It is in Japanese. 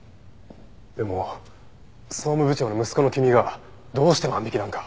でも総務部長の息子の君がどうして万引きなんか。